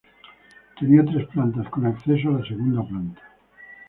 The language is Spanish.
Tenía tres plantas, con acceso a la segunda planta.